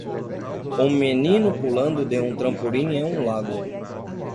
Um menino pulando de um trampolim em um lago.